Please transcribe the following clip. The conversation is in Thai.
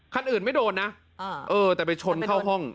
คันอื่นไม่โดนนะเออแต่ไปชนเข้าห้อง